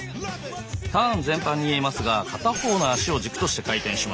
ターン全般にいえますが片方の足を軸として回転します。